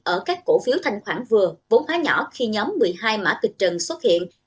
ở các cổ phiếu thanh khoản vừa vốn khá nhỏ khi nhóm một mươi hai mã kịch trần xuất hiện